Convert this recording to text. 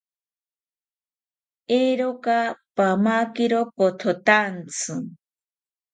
Eeroka, pamakiro pothotaantzi